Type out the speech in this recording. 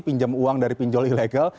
pinjam uang dari pinjol ilegal